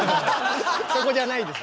そこじゃないです。